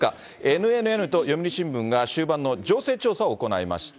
ＮＮＮと読売新聞が終盤の情勢調査を行いました。